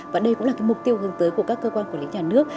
và đây cũng là mục tiêu hướng tới của các cơ quan quản lý nhà nước